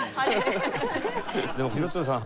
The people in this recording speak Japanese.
でも廣津留さん